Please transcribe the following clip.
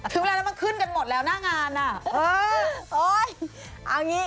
ถึกเวลาแล้วมันขึ้นกันหมดแล้วหน้างาน